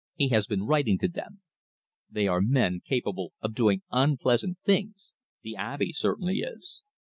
He has been writing to them. They are men capable of doing unpleasant things the Abbe certainly is.